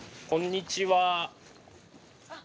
こんにちは。